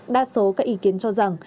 đa số các ý kiến cho rằng